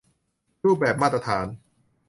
รูปแบบมาตรฐาน